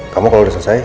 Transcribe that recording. kamu kalau udah selesai